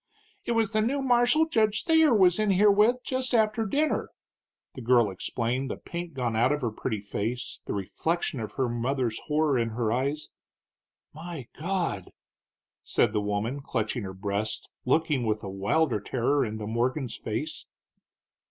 "It was the new marshal Judge Thayer was in here with just after dinner," the girl explained, the pink gone out of her pretty face, the reflection of her mother's horror in her eyes. "My God!" said the woman, clutching her breast, looking with a wilder terror into Morgan's face.